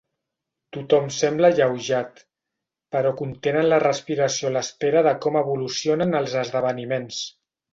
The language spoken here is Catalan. Tothom sembla alleujat, però contenen la respiració a l'espera de com evolucionen els esdeveniments.